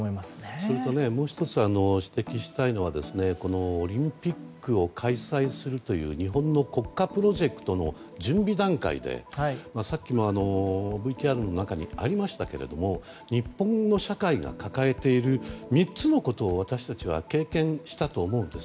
それと、もう１つ指摘したいのはこのオリンピックを開催するという日本の国家プロジェクトの準備段階でさっきもＶＴＲの中にありましたけども日本の社会が抱えている３つのことを私たちは経験したと思うんです。